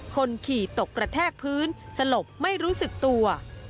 คนขี่ตกกระแทกพื้นสลบไม่รู้สึกตัว